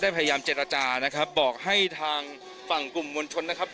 พยายามเจรจานะครับบอกให้ทางฝั่งกลุ่มมวลชนนะครับ